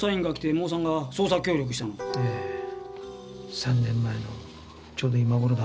３年前のちょうど今頃だ。